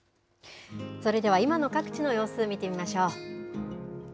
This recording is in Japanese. それでは今の各地の様子、見てみましょう。